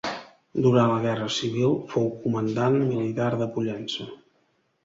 Durant la Guerra Civil, fou comandant militar de Pollença.